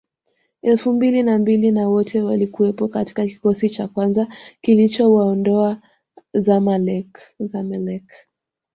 elfu mbili na mbili na wote walikuwepo katika kikosi cha kwanza kilichowaondoa Zamelek